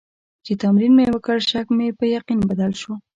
چې تمرین مې وکړ، شک مې په یقین بدل شو.